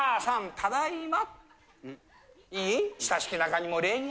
ただいま。